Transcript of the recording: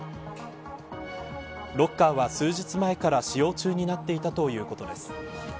ロッカーは数日前から使用中になっていたということです。